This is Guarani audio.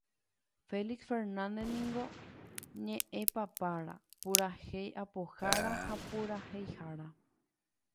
Félix Fernández niko ñe'ẽpapára, purahéi apohára ha puraheihára.